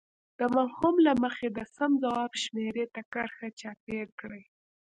د مفهوم له مخې د سم ځواب شمیرې ته کرښه چاپېر کړئ.